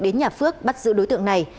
đến nhà phước bắt giữ đối tượng này